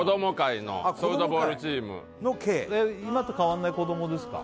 今と変わんない子どもですか？